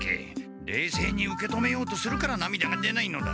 れいせいに受け止めようとするからなみだが出ないのだ。